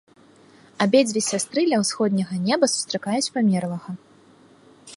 Абедзве сястры ля ўсходняга неба сустракаюць памерлага.